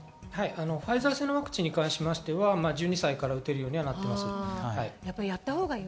ファイザー製に関しては１２歳から打てるようになっています。